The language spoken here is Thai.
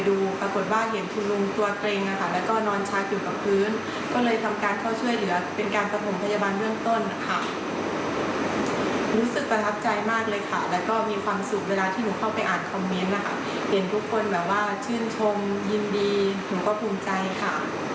อยากฝากคุณทุกคนนะคะว่าให้ช่วยกันทำความดีสังคมของเราจะได้น่าอยู่นะคะ